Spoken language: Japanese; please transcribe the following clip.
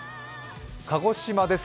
鹿児島です。